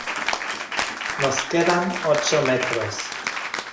nos quedan ocho metros.